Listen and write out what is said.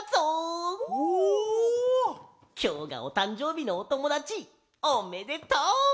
きょうがおたんじょうびのおともだちおめでとう！